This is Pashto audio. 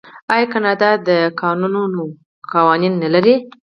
آیا کاناډا د کانونو قوانین نلري؟